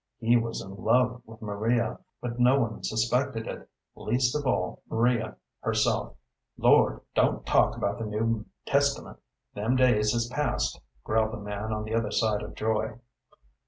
He was in love with Maria, but no one suspected it, least of all Maria herself. "Lord! don't talk about the New Testament. Them days is past," growled the man on the other side of Joy.